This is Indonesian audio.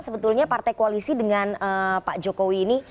sebetulnya partai koalisi dengan pak jokowi ini